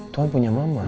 tuhan punya mama